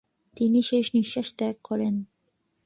তিনি শেষ নিঃশ্বাস ত্যাগ করেন।